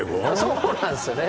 そうなんですよね